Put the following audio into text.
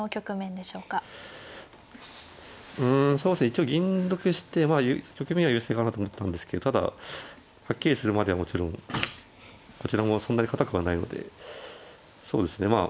一応銀得して局面は優勢かなと思ったんですけどただはっきりするまではもちろんこちらもそんなに堅くはないのでそうですねまあ